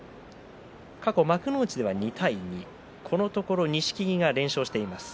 過去、幕内では２対２このところ錦木が連勝しています。